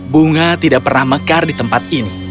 bunga tidak pernah mekar di tempat ini